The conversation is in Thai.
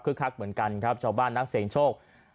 คือคักเหมือนกันครับชาวบ้านนักเสียงโชค